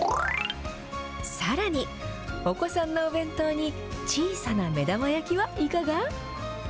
さらに、お子さんのお弁当に小さな目玉焼きはいかが？